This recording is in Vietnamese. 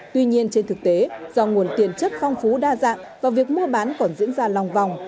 tuy nhiên trên thực tế do nguồn tiền chất phong phú đa dạng và việc mua bán còn diễn ra lòng vòng